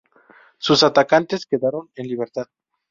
Sus atacantes quedaron en libertad.